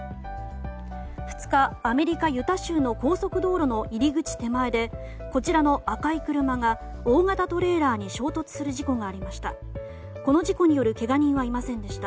２日アメリカ・ユタ州の高速道路の入り口手前でこちらの赤い車が大型トレーラーに衝突する事故がありました。